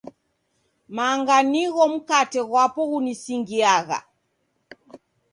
Manga nigho mkate ghwapo ghunisingiagha.